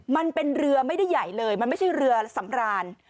มันเป็นเรือไม่ได้ใหญ่เลยมันไม่ใช่เรือสำราน